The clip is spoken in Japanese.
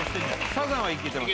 サザンはいけてます